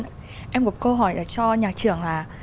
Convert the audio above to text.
tôi có một câu hỏi cho nhật trường là